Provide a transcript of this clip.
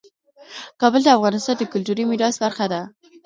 کابل د افغانستان د کلتوري میراث برخه ده.